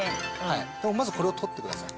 まずこれを取ってください。